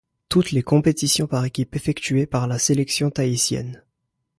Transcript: Toutes les compétitions par équipes effectuées par la sélection tahitienne.